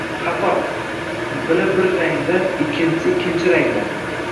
Xato. Biri bir rangda, ikkinchisi ikkinchi rangda.